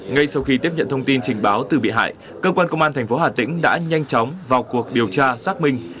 ngay sau khi tiếp nhận thông tin trình báo từ bị hại cơ quan công an thành phố hà tĩnh đã nhanh chóng vào cuộc điều tra xác minh